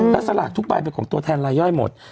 แล้วสลากทุกใบเป็นของตัวแทนรายย่อยหมด